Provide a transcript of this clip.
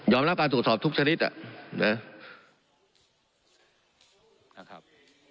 ยอมรับการถูกสอบทุกชนิดอ่ะนะครับ